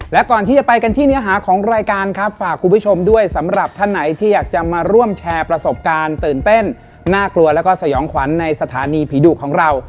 และก่อนที่จะไปกันที่เนื้อหาของรายการครับฝากคุณผู้ชมด้วยสำหรับท่านไหนที่อยากจะมาร่วมแชร์ประสบการณ์ตื่นเต้นน่ากลัวแล้วก็สยองขวัญในสถานีผีดุของเรา